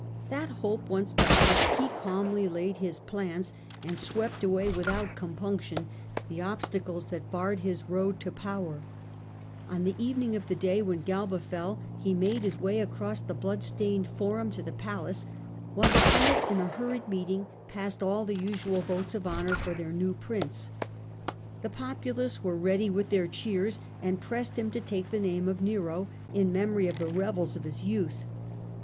That hope once baffled, he calmly Rome with laid his plans, and swept away without com punction the obstacles that barred his road to power On the evening of the day when Galba fell he made his way across the blood stained Forum to the palace, while the Senate in a hurried meeting passed all the usual votes of honour for their new prince. The populace were ready with their cheers, and placed him. pressed him to take the name of Nero, in memory of the revels of his youth.